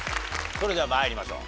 それでは参りましょう。